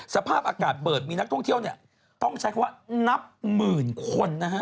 สภาพอากาศเปิดมีนักท่องเที่ยวเนี่ยต้องใช้คำว่านับหมื่นคนนะฮะ